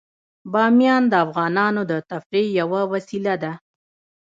بامیان د افغانانو د تفریح یوه وسیله ده.